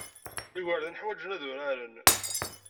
Igerdan ḥwajen ad uraren.